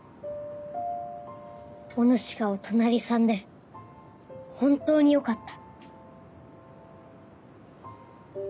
おぬしがお隣さんで本当によかった。